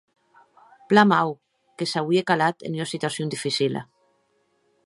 Plan mau; que s’auie calat en ua situacion dificila.